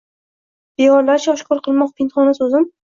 Beorlarcha oshkor qilmoq pinhona so’zim.